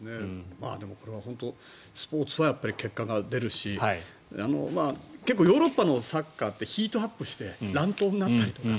でもこれはスポーツは結果が出るし結構ヨーロッパのサッカーってヒートアップして乱闘になったりとか。